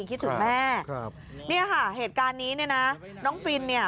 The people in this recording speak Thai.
คิดถึงแม่นี่ค่ะเหตุการณ์นี้นะน้องฟินเนี่ย